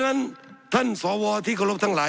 สับขาหลอกกันไปสับขาหลอกกันไป